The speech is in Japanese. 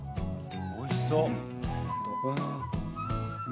おいしそう！